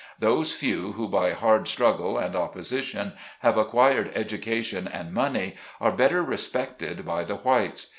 Those few who, by hard strug gle and opposition, have acquired education and money, are better respected by the whites.